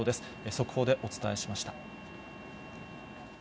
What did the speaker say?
速報でお伝えしました。